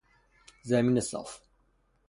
زمین صاف